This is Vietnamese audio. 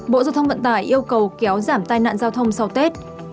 bộ giao thông vận tải yêu cầu kéo giảm tai nạn giao thông sau tết